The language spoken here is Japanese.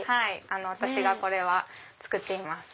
私がこれは作っています。